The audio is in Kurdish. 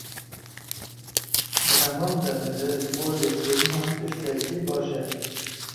Di heman demê de ji bo lêkolînan tiştekî baş e.